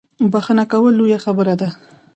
بخښنه کول لویه خبره ده